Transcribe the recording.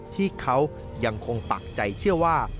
ที่เขายังคงปักใจเชื่อว่า